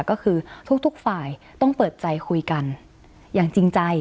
ก็คือทุกฝ่ายต้องเปิดใจคุยกันอย่างจริงใจ